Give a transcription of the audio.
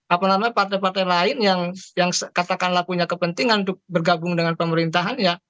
apalagi partai partai lain yang katakanlah punya kepentingan untuk bergabung dengan pemerintahan ya